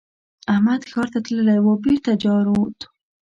احمد ښار ته تللی وو؛ بېرته جارووت.